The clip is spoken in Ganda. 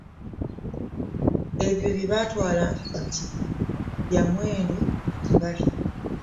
Ebyo bye batwala nti bya muwendo gye bali.